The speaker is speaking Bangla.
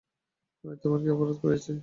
আমি তােমার কি অপরাধ করিয়াছি?